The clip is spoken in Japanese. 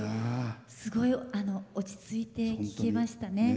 すごい、落ち着いて聴けましたね。